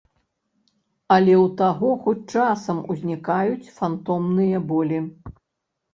Але ў таго хоць часам узнікаюць фантомныя болі.